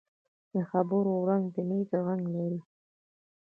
د خبرو رنګ د نیت رنګ لري